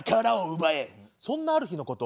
そんなある日のこと。